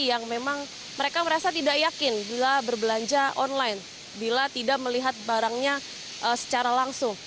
yang memang mereka merasa tidak yakin bila berbelanja online bila tidak melihat barangnya secara langsung